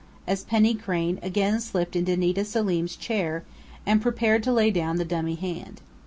as Penny Crain again slipped into Nita Selim's chair and prepared to lay down the dummy hand.